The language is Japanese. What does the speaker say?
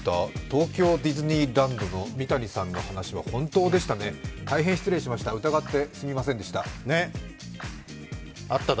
東京ディズニーランドの三谷さんの話は本当でしたね、大変失礼しました、疑ってすみませんでした。